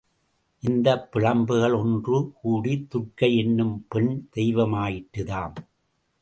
இந்தப் பிழம்புகள் ஒன்று கூடித் துர்க்கை என்னும் பெண் தெய்வமாயிற்றாம்.